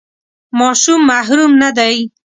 ماشوم محرم نه دی.